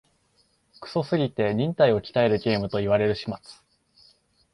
クソすぎて忍耐を鍛えるゲームと言われる始末